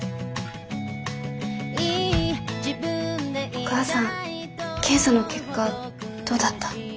お母さん検査の結果どうだった？